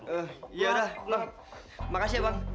eh ya udahlah makasih ya bang